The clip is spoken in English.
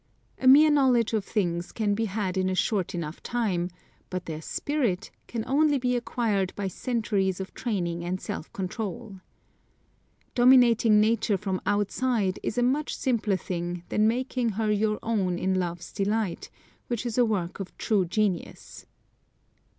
A mere knowledge of things can be had in a short enough time, but their spirit can only be acquired by centuries of training and self control. Dominating nature from outside is a much simpler thing than making her your own in love's delight, which is a work of true genius.